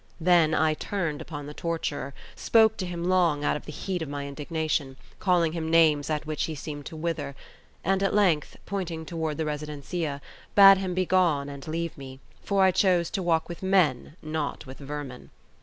Then I turned upon the torturer, spoke to him long out of the heat of my indignation, calling him names at which he seemed to wither; and at length, pointing toward the residencia, bade him begone and leave me, for I chose to walk with men, not with vermin.